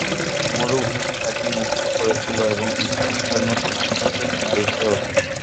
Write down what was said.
মরুভূমি তাকে মুগ্ধ করেছিল এবং ইসলাম তার নতুন আধ্যাত্মিক বাড়ি হয়ে ওঠে।